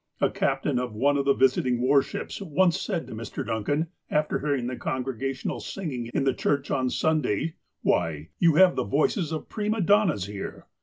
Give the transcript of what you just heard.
A captain of one of the visiting war ships once said to Mr. Duncan, after hearing the congre gational singing in the church on Sunday :" Why, you have the voices of j^rima donnas here